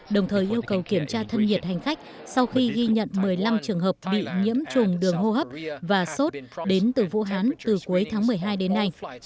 đồng thời yêu cầu kiểm tra thân nhiệt hành khách sau khi ghi nhận một mươi năm trường hợp bị nhiễm trùng đường hô hấp và sốt đến từ vũ hán từ cuối tháng một mươi hai đến nay